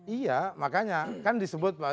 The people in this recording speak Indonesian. iya makanya kan disebut bahwa